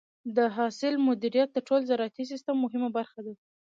د حاصل مدیریت د ټول زراعتي سیستم مهمه برخه ده.